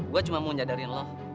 gue cuma mau nyadarin love